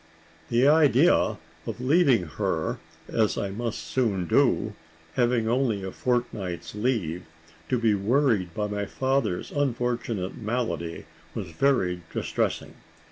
The idea of leaving her, as I must soon do having only a fortnight's leave to be worried by my father's unfortunate malady, was very distressing.